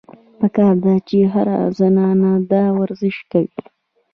پکار ده چې هره زنانه دا ورزش کوي -